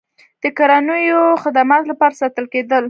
د کورنیو خدماتو لپاره ساتل کېدل.